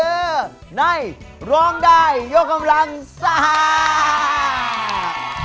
คือในร้องได้ยกกำลังซ่า